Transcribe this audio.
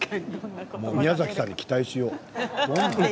宮崎さんに期待しよう。